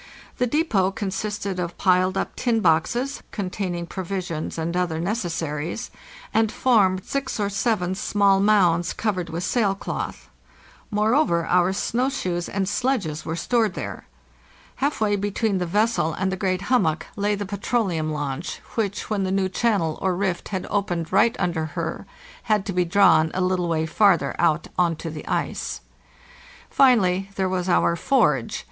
The depot con sisted of piled up tin boxes, containing provisions and other necessaries, and formed six or seven small mounds covered with sail cloth. Moreover, our snow shoes and sledges were stored there. Half way between the vessel and the great hummock « ANVUT, FHL LAO DNIDDIA S6g1 'HONVN ' MARCH 75 TO JUNE 22, 1805 605 lay the petroleum launch, which, when the new channel or rift had opened right under her, had to be drawn a little way far ther out on to the ice. Finally, there was our forge.